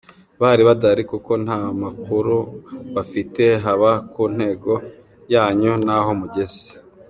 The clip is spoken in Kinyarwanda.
Bahari badahari kuko nta makuru bafite haba ku ntego yanyu n’aho mugeze.